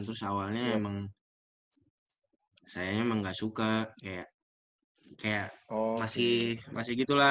terus awalnya emang saya emang gak suka kayak masih gitu lah